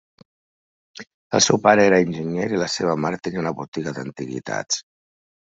El seu pare era enginyer i la seva mare tenia una botiga d'antiguitats.